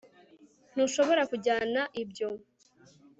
ntushobora kujyana ibyo